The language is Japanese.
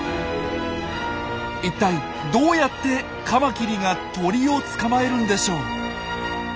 一体どうやってカマキリが鳥を捕まえるんでしょう？